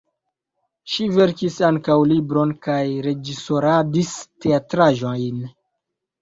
Ŝi verkis ankaŭ libron kaj reĝisoradis teatraĵojn.